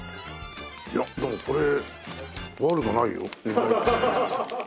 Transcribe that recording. いやでもこれ悪くないよ意外と。